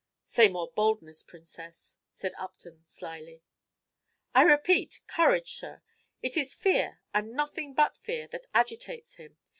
"Say more boldness, Princess," said Upton, slyly. "I repeat, courage, sir. It is fear, and nothing but fear, that agitates him.